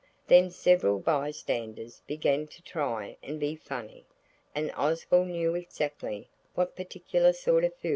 Then several bystanders began to try and be funny, and Oswald knew exactly what particular sort of fool he was being.